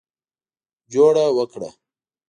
جوړه وکړه.